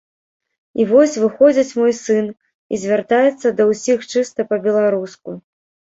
І вось выходзіць мой сын і звяртаецца да ўсіх чыста па-беларуску.